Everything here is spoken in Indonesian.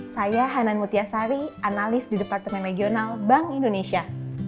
saya hanan mutiasari analis di departemen regional bank indonesia